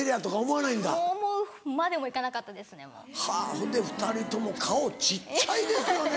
ほんで２人とも顔小っちゃいですよね！